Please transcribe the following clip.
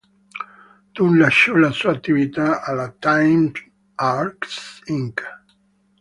Dunn lasciò la sua attività alla Time Arts Inc.